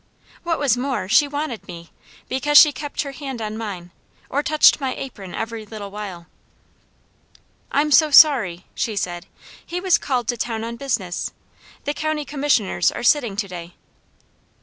What was more, she wanted me, because she kept her hand on mine, or touched my apron every little while. "I'm so sorry!" she said. "He was called to town on business. The County Commissioners are sitting to day."